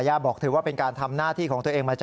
บอกถือว่าเป็นการทำหน้าที่ของตัวเองมาจ